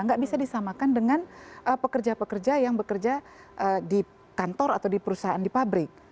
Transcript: nggak bisa disamakan dengan pekerja pekerja yang bekerja di kantor atau di perusahaan di pabrik